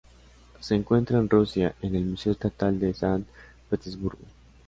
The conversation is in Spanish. Se encuentra en Rusia, en el Museo Estatal de San Petersburgo.